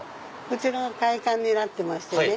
こちらは会館になってましてね。